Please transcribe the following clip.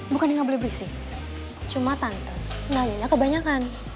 bukan yang gak boleh berisik cuma tante nanyanya kebanyakan